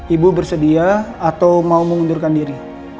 ibu bersedia atau mau mengundurkan diri